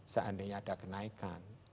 seandainya ada kenaikan